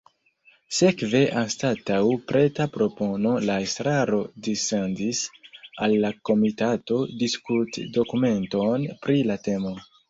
Sekve anstataŭ preta propono la estraro dissendis al la komitato "diskutdokumenton" pri la temo.